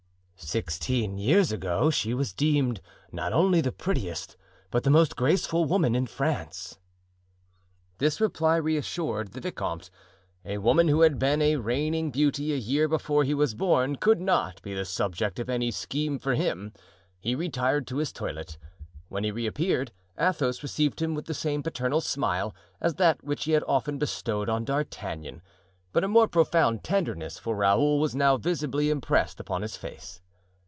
"Sixteen years ago she was deemed not only the prettiest, but the most graceful woman in France." This reply reassured the vicomte. A woman who had been a reigning beauty a year before he was born could not be the subject of any scheme for him. He retired to his toilet. When he reappeared, Athos received him with the same paternal smile as that which he had often bestowed on D'Artagnan, but a more profound tenderness for Raoul was now visibly impressed upon his face.